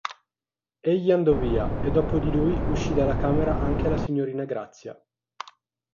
Egli andò via, e dopo di lui uscì dalla camera anche la signorina Grazia.